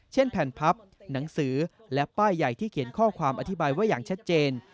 แผ่นพับหนังสือและป้ายใหญ่ที่เขียนข้อความอธิบายไว้อย่างชัดเจน